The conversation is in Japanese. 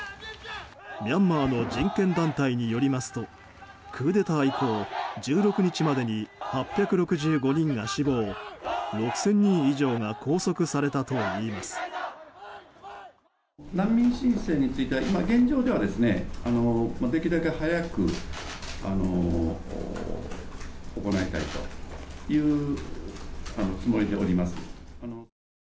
ミャンマーの人権団体によりますとクーデター以降１６日までに８６５人が死亡６０００人以上が拘束されたといいます。